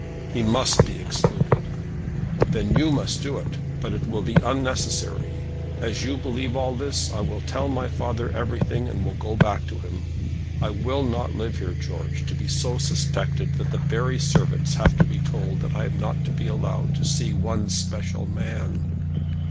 "He must be excluded." "Then you must do it. But it will be unnecessary. As you believe all this, I will tell my father everything and will go back to him. I will not live here, George, to be so suspected that the very servants have to be told that I am not to be allowed to see one special man."